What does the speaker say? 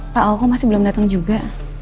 pak alko masih belum datang juga